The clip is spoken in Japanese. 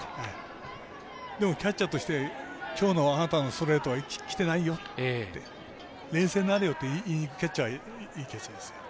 でも、キャッチャーとしてきょうのあなたのストレートはきてないよって冷静になれよって言いに行くキャッチャーはいいキャッチャーです。